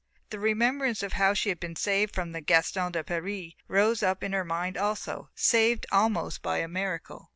The remembrance of how she had been saved from the Gaston de Paris rose up in her mind also saved almost by a miracle.